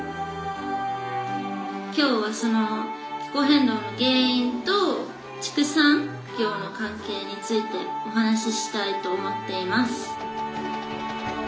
今日はその気候変動の原因と畜産業の関係についてお話ししたいと思っています。